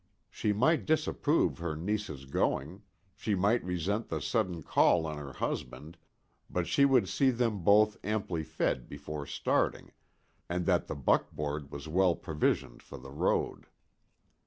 She might disapprove her niece's going, she might resent the sudden call on her husband, but she would see them both amply fed before starting, and that the buckboard was well provisioned for the road.